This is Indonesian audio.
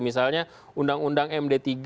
misalnya undang undang md tiga